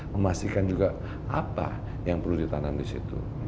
memastikan juga apa yang perlu ditanam disitu